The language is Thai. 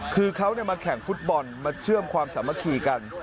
คือเขามาแข่งฟุตบอลมาเชื่อมความสามัคคีกัน